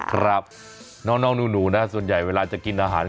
ครับน้องหนูนะส่วนใหญ่เวลาจะกินอาหาร